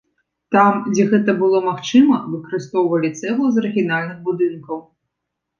Там, дзе гэта было магчыма, выкарыстоўвалі цэглу з арыгінальных будынкаў.